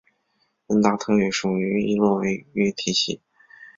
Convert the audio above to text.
温达特语属于易洛魁语系。